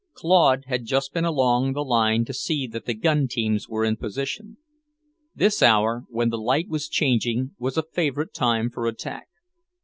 Claude had just been along the line to see that the gun teams were in position. This hour, when the light was changing, was a favourite time for attack.